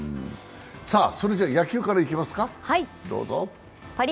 それでは野球からいきますか。